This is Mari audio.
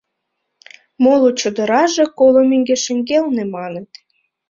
— Моло чодыраже коло меҥге шеҥгелне, маныт.